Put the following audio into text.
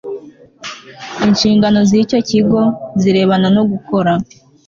Inshingano z icyo kigo zirebana no gukora